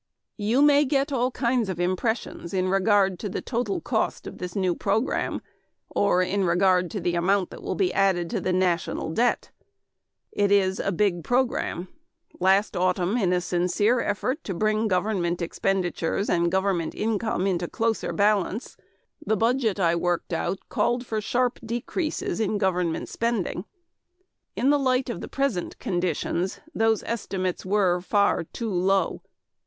You may get all kinds of impressions in regard to the total cost of this new program, or in regard to the amount that will be added to the net national debt. It is a big program. Last autumn in a sincere effort to bring government expenditures and government income into closer balance, the Budget I worked out called for sharp decreases in government spending. In the light of present conditions those estimates were far too low.